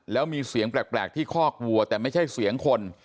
แล้วมีเสียงแปลกที่คอกวัวแต่ไม่ใช่เสียงคน